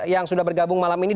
yang sudah bergabung malam ini